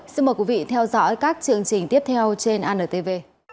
xin mời quý vị theo dõi các chương trình tiếp theo trên antv